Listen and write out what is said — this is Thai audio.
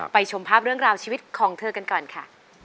ชมภาพเรื่องราวชีวิตของเธอกันก่อนค่ะ